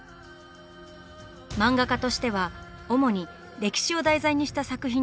漫画家としては主に歴史を題材にした作品に挑戦。